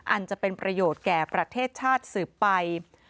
อันจะเป็นประโยชน์แก่ประเทศชาติสืบไป